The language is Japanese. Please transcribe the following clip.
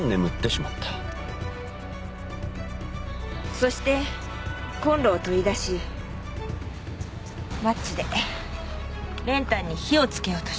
そしてコンロを取り出しマッチで練炭に火をつけようとした。